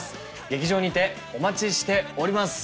劇場にてお待ちしております。